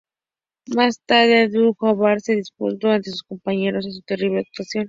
Más tarde, Abdul-Jabbar se disculpó ante sus compañeros por su terrible actuación.